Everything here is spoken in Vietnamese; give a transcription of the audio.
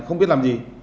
không biết làm gì